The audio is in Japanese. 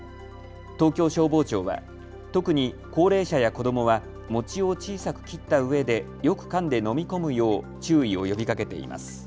東京消防庁は特に高齢者や子どもは餅を小さく切ったうえでよくかんで飲み込むよう注意を呼びかけています。